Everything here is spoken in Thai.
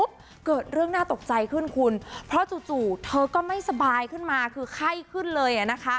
เกิดเรื่องน่าตกใจขึ้นคุณเพราะจู่เธอก็ไม่สบายขึ้นมาคือไข้ขึ้นเลยอ่ะนะคะ